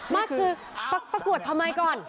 ไม่คือประกวดทำไมก่อน